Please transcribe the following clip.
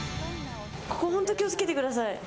ここ、本当気を付けてください。